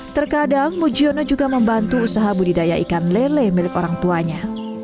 terkadang mujiono juga membantu usaha budidaya ikan lele milik orang tuanya